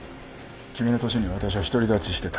君の年に私は独り立ちしてた。